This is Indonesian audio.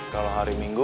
kalau hari minggu